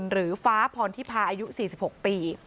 หรือฟ้าพรทิพาอายุ๔๖ปี